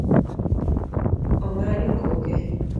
Ong'ado koke